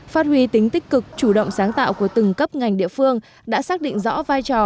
phát huy tính tích cực chủ động sáng tạo của từng cấp ngành địa phương đã xác định rõ vai trò